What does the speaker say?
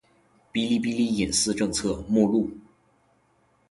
《哔哩哔哩隐私政策》目录